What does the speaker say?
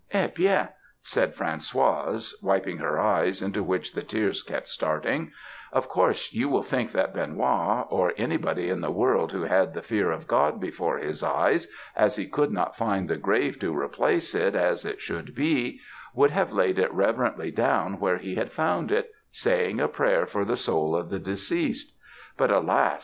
"'Eh bien,' said Françoise, wiping her eyes, into which the tears kept starting, 'of course you will think that Benoît, or anybody in the world who had the fear of God before his eyes, as he could not find the grave to replace it as it should be, would have laid it reverently down where he had found it, saying a prayer for the soul of the deceased; but, alas!